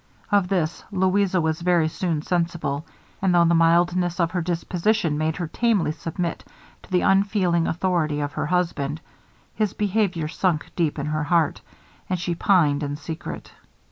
Of this Louisa was very soon sensible; and though the mildness of her disposition made her tamely submit to the unfeeling authority of her husband, his behaviour sunk deep in her heart, and she pined in secret.